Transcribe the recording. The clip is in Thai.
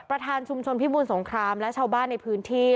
ประธานชุมชนพิบูรสงครามและชาวบ้านในพื้นที่